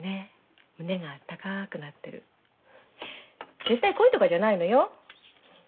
絶対恋とかじゃないのよ。